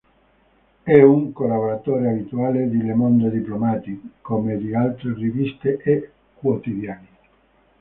È un collaboratore abituale di Le Monde Diplomatique, come di altre riviste e quotidiani.